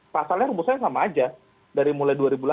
pasalnya rumusannya sama aja dari mulai dua ribu delapan belas